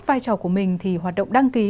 vai trò của mình thì hoạt động đăng ký